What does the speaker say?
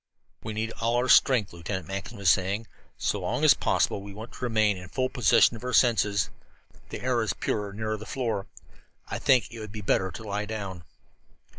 "We need all our strength," Lieutenant Mackinson was saying. "So long as possible we want to remain in full possession of our senses. The air is purer near the floor. I think it would be better to lie down."